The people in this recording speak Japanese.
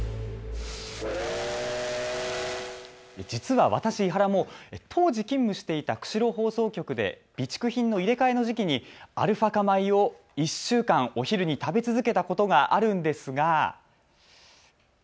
実は私、伊原も当時、勤務していた釧路放送局で備蓄品の入れ替えの時期にアルファ化米を１週間お昼に食べ続けたことがあるんですが。